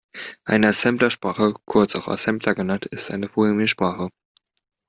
Eine Assemblersprache, kurz auch Assembler genannt, ist eine Programmiersprache.